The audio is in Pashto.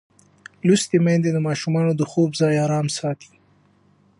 لوستې میندې د ماشومانو د خوب ځای ارام ساتي.